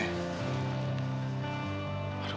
ya itu namanya bella ya